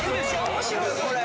面白いこれ。